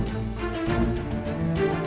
aku akan mencari cherry